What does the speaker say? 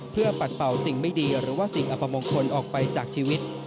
เพื่อปัดเป่าสิ่งไม่ดีหรือว่าสิ่งอัปมงคลออกไปจากชีวิต